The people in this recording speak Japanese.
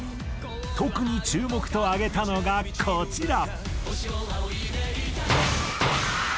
特に注目と挙げたのがこちら！